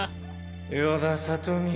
与田理美